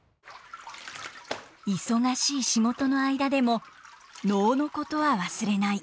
忙しい仕事の間でも能のことは忘れない。